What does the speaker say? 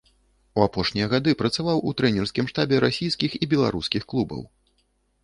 У апошнія гады працаваў у трэнерскім штабе расійскіх і беларускіх клубаў.